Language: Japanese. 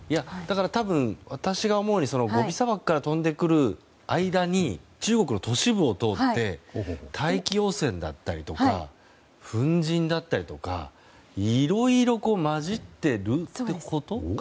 多分、私が思うにゴビ砂漠から飛んでくる間に中国の都市部を通って大気汚染だったりとか粉じんだったりとかいろいろ混じっているということかな？